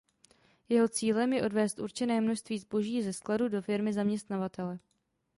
Jeho cílem je odvézt určené množství zboží ze skladu do firmy zaměstnavatele.